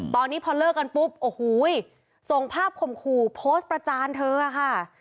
ตอนนี้พอเลิกกันปุ๊บโอ้โหส่งภาพข่มขู่โพสต์ประจานเธอค่ะ